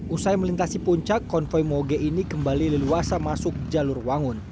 usai melintasi puncak konvoy moge ini kembali leluasa masuk jalur wangun